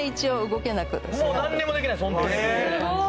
もう何にもできないです